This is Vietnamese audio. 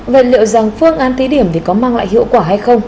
vậy liệu rằng phương án thí điểm thì có mang lại hiệu quả hay không